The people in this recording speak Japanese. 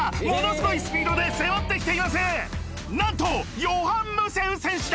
なんとヨハン・ムセウ選手だ！